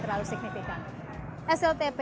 terlalu signifikan sltp